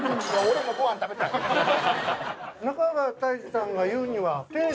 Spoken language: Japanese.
中川大志さんが言うには。